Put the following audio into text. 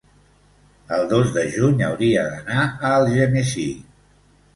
El dos de juny hauria d'anar a Algemesí.